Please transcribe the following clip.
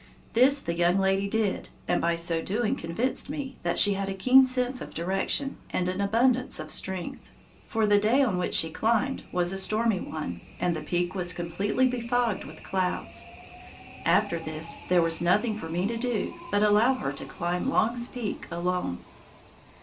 This the young lady did, and by so doing convinced me that she had a keen sense of direction and an abundance of strength, for the day on which she climbed was a stormy one, and the peak was completely befogged with clouds. After this, there was nothing for me to do but allow her to climb Long's Peak alone.